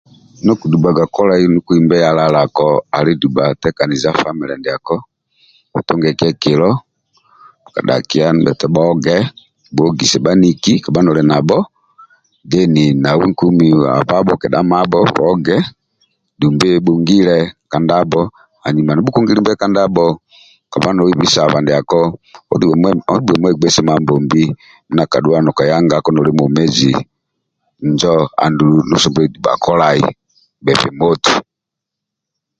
Ndio kudhubhaga kolai ndio kohimbe lalako ali ddubha tekaniza family ndiako otunge kiekilo kadhakia ndibhetolo bhaoge bhubhuogise bhaniki kobha noli na nabho then nawe nkumi ababho kedha amabho oge dumbi bhungile ka ndabho anyuma ndibhukungilimbe ka ndabho kobha noibi saba ndiako oddubhe omwegbeise Mambombi mindia akadhuwa nokaya hangako nolia mwomezi injo andulu ndikisemelelu kolai bemoti.